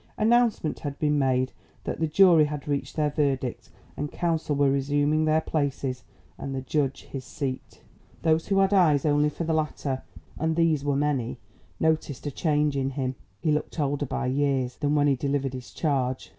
Announcement had been made that the jury had reached their verdict, and counsel were resuming their places and the judge his seat. Those who had eyes only for the latter and these were many noticed a change in him. He looked older by years than when he delivered his charge.